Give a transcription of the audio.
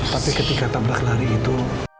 tapi ketika tabrak lari itu